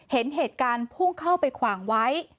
เห็นเหตุการณ์พุ่งเข้าไปขวางไว้